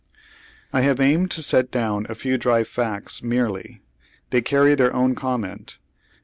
I have aimed to set down a few dry facts merely. They carry their own comment.